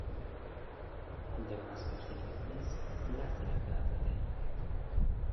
د ماسپښين لمونځ لس رکعته دی